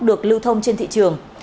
được lưu thông trên thị trường